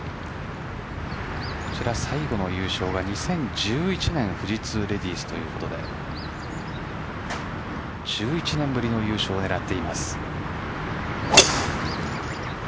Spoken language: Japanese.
こちら最後の優勝は２０１１年富士通レディースということで１１年ぶりの優勝を狙っています。